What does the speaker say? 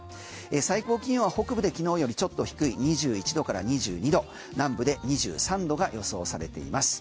最高気温は北部で昨日よりちょっと低い２１度から２２度南部で２３度が予想されています。